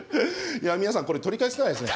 いや皆さんこれ取り返しつかないっすね。